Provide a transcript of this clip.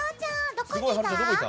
どこにいた？